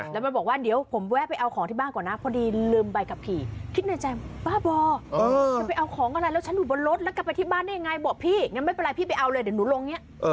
แล้วกลับไปที่บ้านได้ยังไงบอกพี่งั้นไม่เป็นไรพี่ไปเอาเลยเดี๋ยวหนูลงเนี่ย